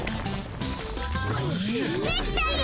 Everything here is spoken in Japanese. できたよ！